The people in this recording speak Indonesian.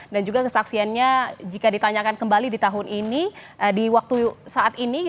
dan juga kesaksiannya jika ditanyakan kembali di tahun ini di waktu saat ini